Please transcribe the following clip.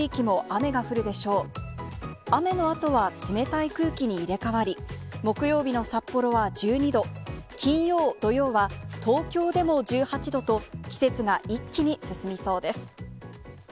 雨のあとは冷たい空気に入れ代わり、木曜日の札幌は１２度、金曜、土曜は東京でも１８度と、季節が一気に進みそうです。